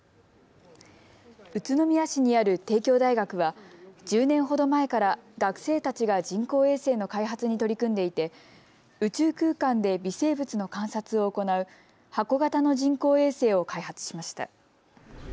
宇都宮市にある帝京大学は１０年ほど前から学生たちが人工衛星の開発に取り組んでいて宇宙空間で微生物の観察を行う箱形の人工衛星を開発しました。